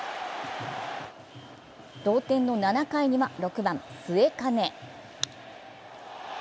同点の７回には６番・末包。